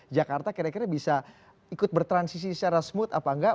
jakarta kira kira bisa ikut bertransisi secara smooth apa enggak